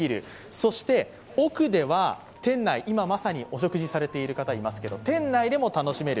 そして今まさにお食事されている方がいますけど、店内でも楽しめる。